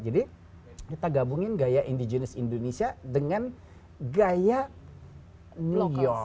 jadi kita gabungin gaya indigenous indonesia dengan gaya new york